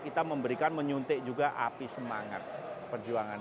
kita memberikan menyuntik juga api semangat perjuangan